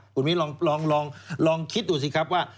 คุณมิ้นลองคิดดูสิครับว่า